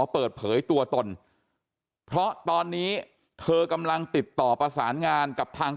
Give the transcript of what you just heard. เปิดเผยตัวตนเพราะตอนนี้เธอกำลังติดต่อประสานงานกับทาง